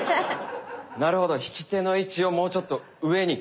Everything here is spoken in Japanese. なるほど引き手の位置をもうちょっと上に。